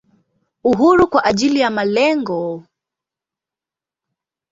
Uhuru kwa ajili ya malengo.